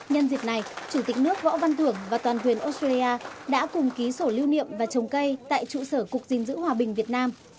nhân dịp này chủ tịch nước võ văn thưởng và toàn quyền australia đã cùng ký sổ lưu niệm và trồng cây tại trụ sở cục diện giữ hòa bình việt nam